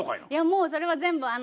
いやもうそれは全部。